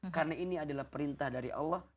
karena ini adalah perintah dari allah